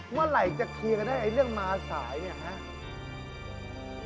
เมื่อไหร่จะเคลียร์กันได้ไอ้เรื่องมาสายเนี่ยครับ